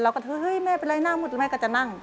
เราก็เฮ้ยแม่เป็นไรหน้าหมดแล้วแม่ก็จะนั่ง